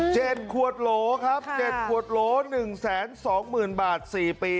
ขวดโหลครับเจ็ดขวดโหลหนึ่งแสนสองหมื่นบาทสี่ปี